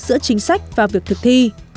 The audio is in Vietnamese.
giữa chính sách và việc thực thi